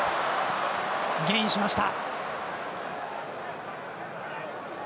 ゲインしました。